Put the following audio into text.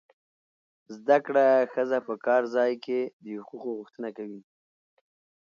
زده کړه ښځه په کار ځای کې د حقوقو غوښتنه کوي.